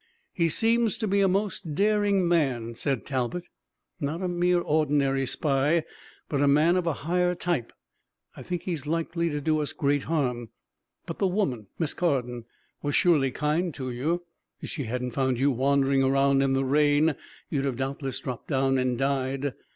"He seems to be a most daring man," said Talbot; "not a mere ordinary spy, but a man of a higher type. I think he's likely to do us great harm. But the woman, Miss Carden, was surely kind to you. If she hadn't found you wandering around in the rain you'd have doubtless dropped down and died.